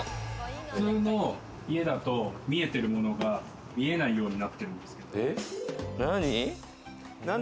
普通の家だと見えてるものが見えないようになってるんですけれども。